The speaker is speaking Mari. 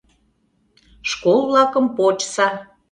Школ-влакым почса.